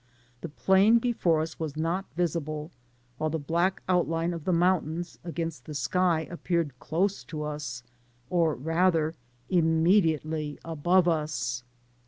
The plain before us was not visible, while the black outline of the mountains against the sky appeared close to us, or rather immediately above us.